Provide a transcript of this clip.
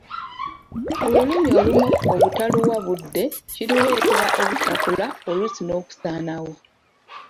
Olulimi olumu obutaluwa budde kiruleetera obutakula oluusi n'okusaanawo.